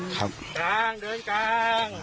ขับกลางเดินกลาง